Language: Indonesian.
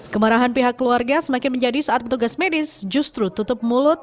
kemarahan pihak keluarga semakin menjadi saat petugas medis justru tutup mulut